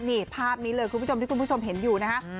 นี่ภาพนี้เลยคุณผู้ชมที่คุณผู้ชมเห็นอยู่นะฮะ